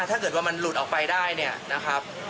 ถ้าเกิดว่ามันหลุดออกไปได้เนี่ยนะครับ